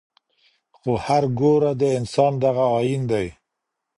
خو هرګوره د انسان دغه آیین دی